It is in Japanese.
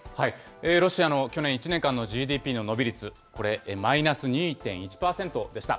ロシアの去年１年間のＧＤＰの伸び率、これ、マイナス２．１％でした。